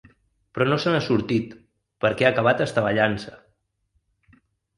Però no se n’ha sortit, perquè ha acabat estavellant-se.